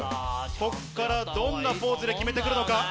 こっからどんなポーズで決めて来るのか？